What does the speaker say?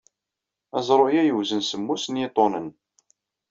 Aẓru-a yewzen semmus n yiṭunen.